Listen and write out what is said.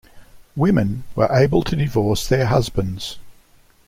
Women were able to divorce their husbands.